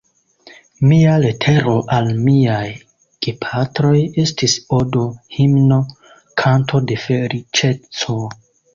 Mia letero al miaj gepatroj estis odo, himno, kanto de feliĉeco.